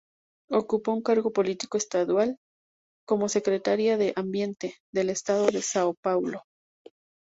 Ocupó un cargo político estadual, como Secretaria de Ambiente, del estado de São Paulo.